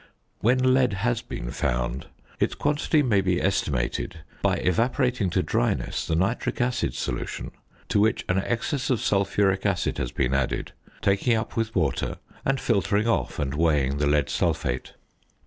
When lead has been found, its quantity may be estimated by evaporating to dryness the nitric acid solution to which an excess of sulphuric acid has been added, taking up with water, and filtering off and weighing the lead sulphate.